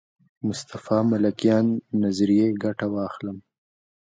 مصطفی ملکیان نظریې ګټه واخلم.